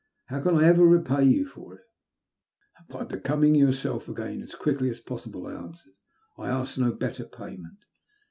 How can I ever repay yon for it ?••*' By becoming yourself again as quickly as possi ble/' I answered; ''I ask no better payment.'